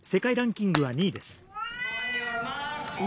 世界ランキングは２位です。